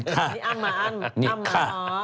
อ้ำมาอ้ำ